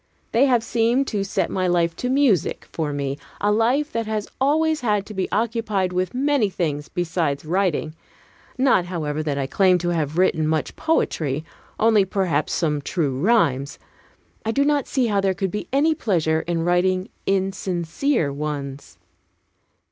They have seemed to set my life to music for me, a life that has always had to be occupied with many things besides writing. Not, however, that I claim to have written much poetry: only perhaps some true rhymes: I do not see how there could be any pleasure in writing insincere ones.